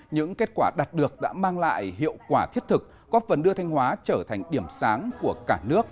những kết quả đạt được đã mang lại hiệu quả thiết thực góp phần đưa thanh hóa trở thành điểm sáng của cả nước